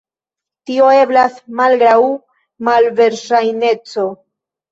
Tio eblas malgraŭ malverŝajneco.